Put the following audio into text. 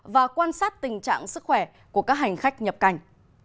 và quan sát tình trạng sức khỏe của các hành khách nhập cảnh